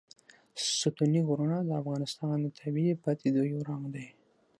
ستوني غرونه د افغانستان د طبیعي پدیدو یو رنګ دی.